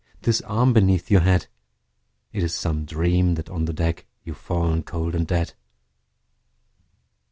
This arm beneath your head! It is some dream that on the deck, You've fallen cold and dead.